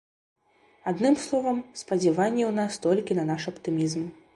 Адным словам, спадзяванні ў нас толькі на наш аптымізм.